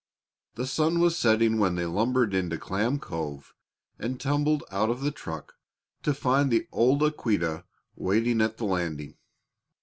The sun was setting when they lumbered into Clam Cove and tumbled out of the truck to find the old Aquita waiting at the landing.